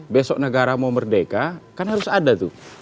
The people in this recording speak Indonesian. besok negara mau merdeka kan harus ada tuh